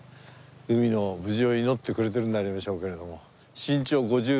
海の無事を祈ってくれてるんでありましょうけれども。